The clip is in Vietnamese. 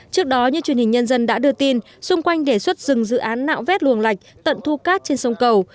trước đó như truyền hình nhân dân đã đưa tin xung quanh đề xuất dừng dự án nạo vét luồng lạch tận thu cát trên sông cầu